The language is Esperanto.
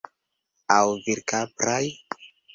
Aŭ virkapraj.